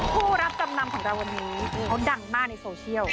ผู้รับจำนำของเราวันนี้เขาดังมากในโซเชียล